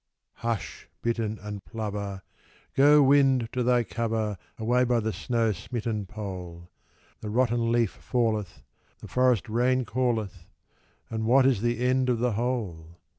Hush, bittern and plover! Go, wind, to thy cover Away by the snow smitten Pole! The rotten leaf falleth, the forest rain calleth; And what is the end of the whole?